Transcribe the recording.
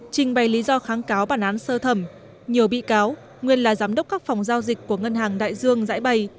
trình bày lý do kháng cáo bản án sơ thẩm nhiều bị cáo nguyên là giám đốc các phòng giao dịch của ngân hàng đại dương giải bày